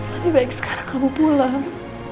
lebih baik sekarang kamu pulang